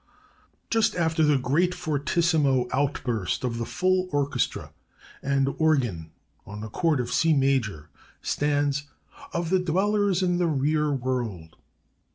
"Just after the first great fortissimo outburst of the full orchestra and organ on the chord of C major, stands, 'OF THE DWELLERS IN THE REAR WORLD.'